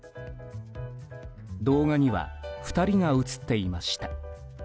動画には２人が映っていました。